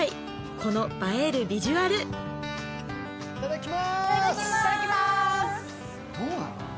この映えるビジュアルいただきますどうなの？